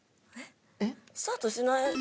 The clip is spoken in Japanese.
スタートしない。